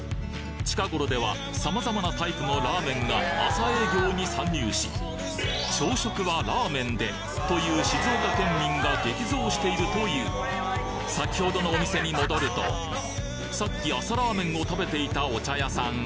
近頃では様々なタイプのラーメンが朝営業に参入し朝食はラーメンでという静岡県民が激増しているという先ほどのお店に戻るとさっき朝ラーメンを食べていたお茶屋さん